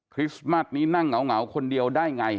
คริสต์มัสนี้นั่งเหงาคนเดียวได้ไง